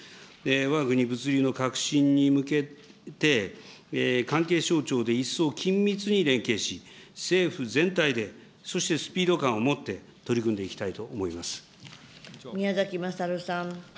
わが国物流の革新に向けて、関係省庁で一層緊密に連携し、政府全体で、そしてスピード感を持って取り組んでいきたいと思い宮崎勝さん。